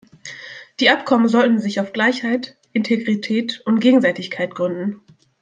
Die Abkommen sollten sich auf Gleichheit, Integrität und Gegenseitigkeit gründen.